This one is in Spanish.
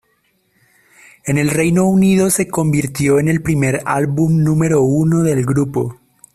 En el Reino Unido se convirtió en el primer álbum número uno del grupo.